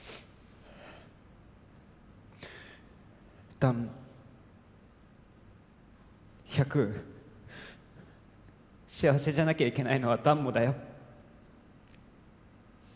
弾１００幸せじゃなきゃいけないのは弾もだよ